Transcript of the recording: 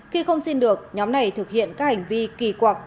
khi không xin được nhóm này thực hiện các hành vi kỳ quặc